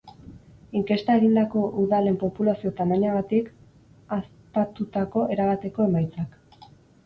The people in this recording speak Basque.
Inkesta egindako udalen populazio-tamainagatik haztatutako erabateko emaitzak.